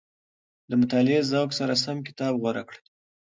د مطالعې ذوق سره سم کتاب غوره کړئ.